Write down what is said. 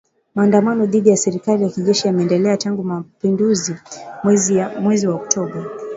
Maandamano dhidi ya serikali ya kijeshi yameendelea tangu mapinduzi ya mwezi wa Oktoba